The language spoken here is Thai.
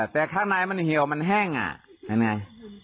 แต่ข้างในมันเหี่ยวมันแห้งอ่ะเป็นไง